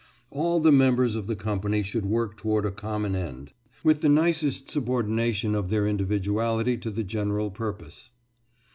All the members of the company should work toward a common end, with the nicest subordination of their individuality to the general purpose.